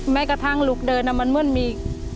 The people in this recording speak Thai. แม้กระทั่งลุกเดินมันเหมือนมี